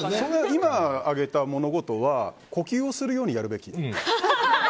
今、挙げたものごとは呼吸をするようにやるべき。